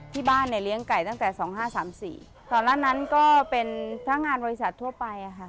ที่บ้านเนี่ยเลี้ยงไก่ตั้งแต่สองห้าสามสี่ก่อนหน้านั้นก็เป็นพนักงานบริษัททั่วไปอ่ะค่ะ